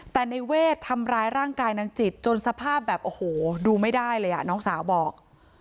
แต่ในเวททำร้ายร่างกายนางจิตจนสภาพแบบโอ้โหดูไม่ได้เลยอ่ะน้องสาวบอก